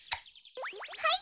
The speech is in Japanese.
はい。